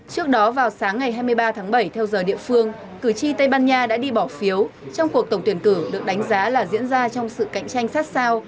trước đó vào sáng ngày hai mươi ba tháng bảy theo giờ địa phương cử tri tây ban nha đã đi bỏ phiếu trong cuộc tổng tuyển cử được đánh giá là diễn ra trong sự cạnh tranh sát sao